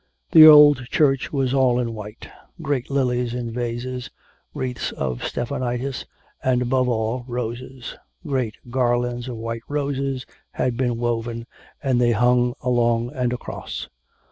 The old church was all in white; great lilies in vases, wreaths of stephanotis; and, above all, roses great garlands of white roses had been woven, and they hung along and across.